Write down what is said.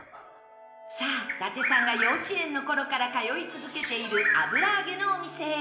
さあ、伊達さんが幼稚園の頃から通い続けているあぶらあげのお店へ。